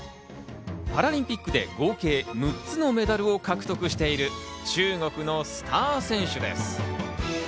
パラリンピックで合計６つのメダルを獲得している中国のスター選手です。